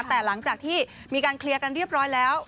แต่หลังจากที่มีการเคลียร์กันเรียบร้อยแล้ว